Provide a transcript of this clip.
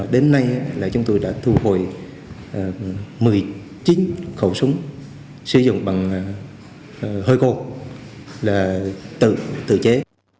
đến nay là chúng tôi đã thu hồi một mươi chín khẩu súng sử dụng bằng hơi cô là tự chế